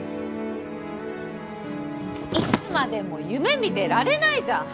いつまでも夢見てられないじゃん！